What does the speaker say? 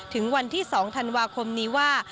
ถึงวันที่๒ธันวาคมนี้ว่า